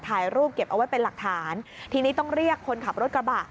ถ่ายรูปเก็บเอาไว้เป็นหลักฐานทีนี้ต้องเรียกคนขับรถกระบะ